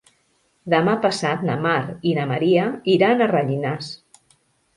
Demà passat na Mar i na Maria iran a Rellinars.